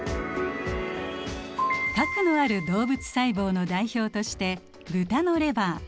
核のある動物細胞の代表として豚のレバー。